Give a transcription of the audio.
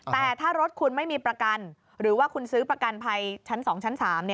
แต่ถ้ารถคุณไม่มีประกันหรือว่าคุณซื้อประกันภัยชั้น๒ชั้น๓